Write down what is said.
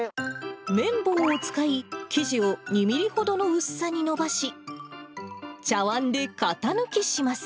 麺棒を使い、生地を２ミリほどの薄さに伸ばし、茶わんで型抜きします。